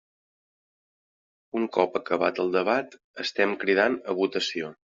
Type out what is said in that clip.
Un cop acabat el debat, estem cridant a votació.